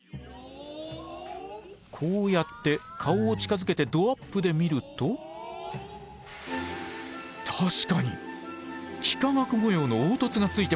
こうやって顔を近づけてどアップで見ると確かに幾何学模様の凹凸がついてます！